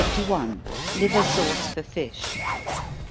_Liver Sauce for Fish.